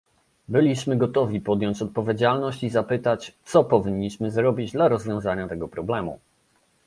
Byliśmy gotowi podjąć odpowiedzialność i zapytać, co powinniśmy zrobić dla rozwiązania tego problemu